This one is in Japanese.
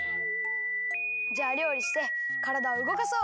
じゃありょうりしてからだをうごかそう！